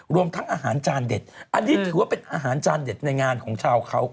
รวมทั้งอาหารจานเด็ดอันนี้ถือว่าเป็นอาหารจานเด็ดในงานของชาวเขา